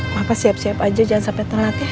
papa siap siap aja jangan sampai terlalu latih